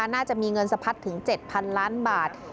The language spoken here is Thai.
น่าจะมีเงินสะพัดถึง๗๐๐ล้านบาท